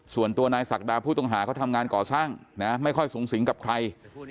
ส่วนตัวนายศักดาผู้ต้องหาเขาทำงานก่อสร้างนะไม่ค่อยสูงสิงกับใคร